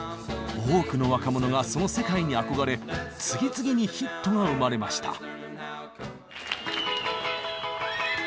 多くの若者がその世界に憧れ次々にヒットが生まれました。